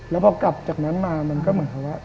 แล้วพอกลับจากนั้นมามันก็เหมือนกับว่า